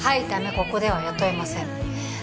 ここでは雇えませんえっ